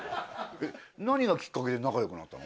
何がきっかけで仲良くなったの？